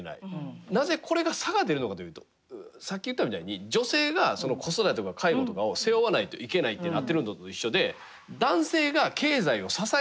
なぜこれが差が出るのかというとさっき言ったみたいに女性が子育てとか介護とかを背負わないといけないってなってるのと一緒で男性が経済を支えないといけないとなってしまってる。